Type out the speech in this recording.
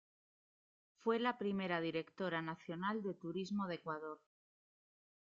Fue la primera directora nacional de Turismo de Ecuador.